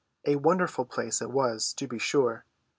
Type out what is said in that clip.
A wonderful place it was, to be sure.